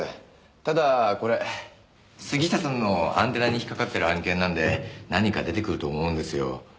ただこれ杉下さんのアンテナに引っ掛かってる案件なんで何か出てくると思うんですよ。